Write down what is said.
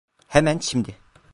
Hemen şimdi.